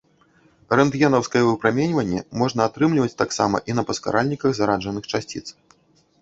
Рэнтгенаўскае выпраменьванне можна атрымліваць таксама і на паскаральніках зараджаных часціц.